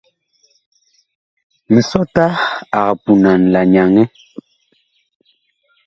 Misɔta ag punan la nyaŋɛ.